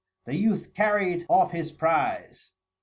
The youth carried off his prize.